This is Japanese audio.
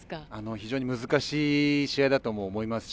非常に難しい試合だとも思いますし